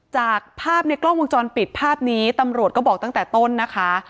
จากภาพในกล้องวงจรปิดภาพนี้ตำรวจก็บอกตั้งแต่ต้นนะคะ